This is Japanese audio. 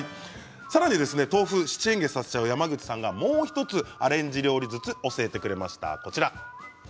さらに豆腐を七変化させちゃう山口さんがもう１つアレンジ料理を教えてくれました。